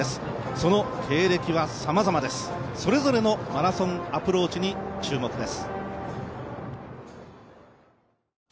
その経歴はさまざまです、それぞれのマラソンアプローチに注目です。